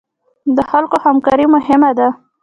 د خلکو همکاري مهمه ده